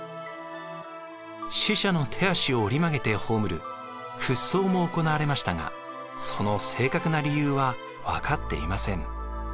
死者の手足を折り曲げて葬る屈葬も行われましたがその正確な理由は分かっていません。